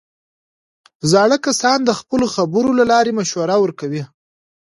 زاړه کسان د خپلو خبرو له لارې مشوره ورکوي